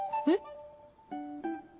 えっ？